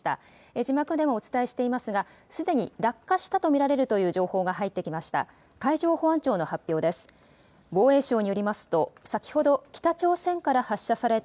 字幕でもお伝えしていますがすでに落下したと見られるという情報が入ってきました。